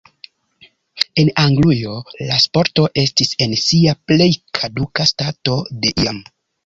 En Anglujo la sporto estis en sia plej kaduka stato de iam.